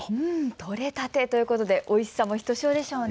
取れたてということでおいしさもひとしおでしょうね。